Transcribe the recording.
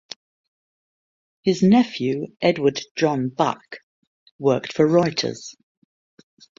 His nephew Edward John Buck worked for Reuters.